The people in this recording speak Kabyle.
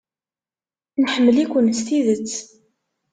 Nḥemmel-iken s tidet.